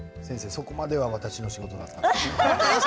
そこまでが私の仕事だったんです。